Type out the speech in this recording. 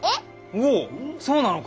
おぉそうなのか！